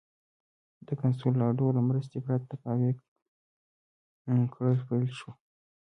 د کنسولاډو له مرستې پرته د قهوې کرل پیل شول.